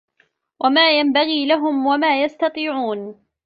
وَما يَنبَغي لَهُم وَما يَستَطيعونَ